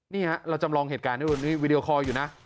นี่ฮะเราจำลองเหตุการณ์ให้วีดีโอคอลอยู่นะ